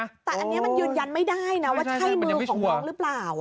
แต่อันนี้มันยืนยันไม่ได้นะว่าใช่มือของน้องหรือเปล่า